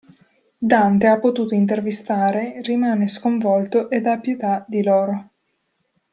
Dante ha potuto intervistare rimane sconvolto ed ha pietà di loro.